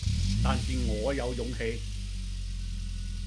但是我有勇氣，